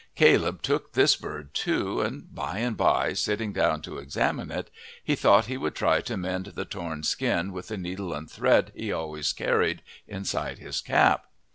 Caleb took this bird, too, and by and by, sitting down to examine it, he thought he would try to mend the torn skin with the needle and thread he always carried inside his cap.